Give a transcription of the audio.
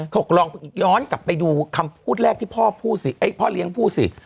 บอกลองย้อนกลับไปดูคำพูดแรกที่พ่อพูดสิพ่อเลี้ยงพูดสิ